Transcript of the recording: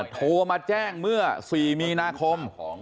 โทรมาแจ้งเมื่อ๔มีนาคม